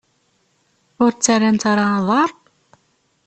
Ur ttarrant ara aḍar?